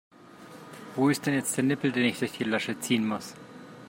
Wo ist denn jetzt der Nippel, den ich durch die Lasche ziehen muss?